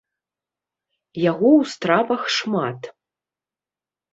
Яго ў стравах шмат.